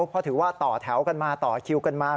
เพราะถือว่าต่อแถวกันมาต่อคิวกันมา